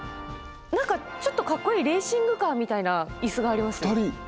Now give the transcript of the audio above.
中ちょっとかっこいいレーシングカーみたいな椅子があります。